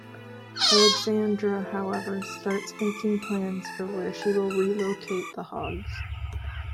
Alexandra, however, starts making plans for where she will relocate the hogs.